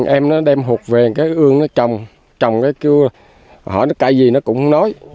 em nó đem hột về cái ương nó trồng trồng cái kêu hỏi nó cây gì nó cũng nói